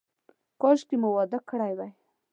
کاشکې مو واده کړی وای.